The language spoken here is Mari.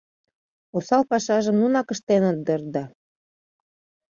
— Осал пашажым нунак ыштеныт дыр да...